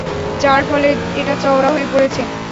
যার ফলে এটা চওড়া হয়ে পড়ছে।